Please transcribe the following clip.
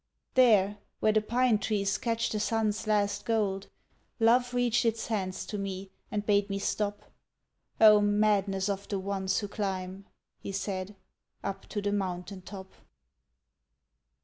"There, where the pine trees catch the sun's last gold, Love reached its hands to me and bade me stop; Oh, madness of the ones who climb," he said, "Up to the mountain top!"